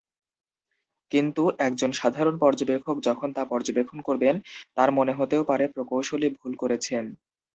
কিন্তু একজন সাধারণ পর্যবেক্ষক যখন তা পর্যবেক্ষণ করবেন, তার মনে হতেও পারে প্রকৌশলী ভুল করেছেন।